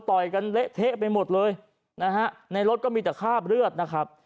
ต่อยกันเละเทะไปหมดเลยนะฮะในรถก็มีแต่คราบเลือดนะครับ